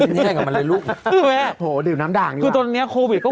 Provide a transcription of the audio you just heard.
เล่นย่ายกับมันอะไรลูกคือแม่โหดื่มน้ำด่างคือตอนนี้โควิดก็